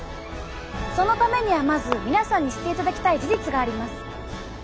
そのためにはまず皆さんに知っていただきたい事実があります。